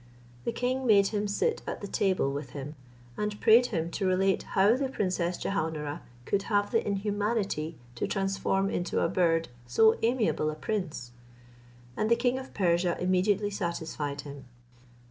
The king made him sit at the table with him, and prayed him to relate how the Princess Jehaun ara could have the inhumanity to transform into a bird so amiable a prince; and the king of Persia immediately satisfied him.